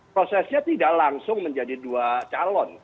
prosesnya tidak langsung menjadi dua calon